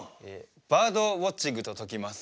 バードウォッチングとときます。